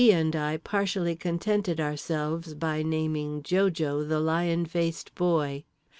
and I partially contented ourselves by naming Jo Jo The Lion Faced Boy.